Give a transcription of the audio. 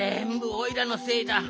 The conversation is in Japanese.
おいらのせいだ。